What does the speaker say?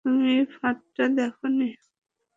তুমি ফাঁদটা দেখোনি?